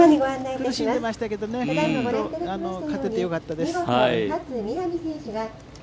苦しんでましたけれども、本当に勝ててよかったです。